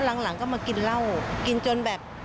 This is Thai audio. หลังก็มากินเหล้ากินจนแบบ